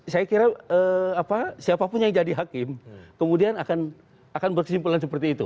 saya kira siapapun yang jadi hakim kemudian akan bersimpulan seperti itu